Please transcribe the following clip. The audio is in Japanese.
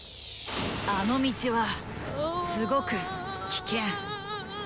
あの道はすごくキケン。